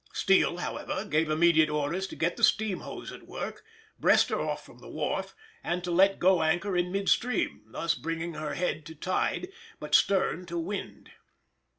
Steele, however, gave immediate orders to get the steam hose at work, breast her off from the wharf, and to let go anchor in mid stream; thus bringing her head to tide, but stern to wind.